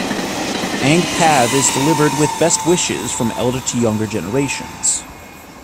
Ang Pav is delivered with best wishes from elder to younger generations.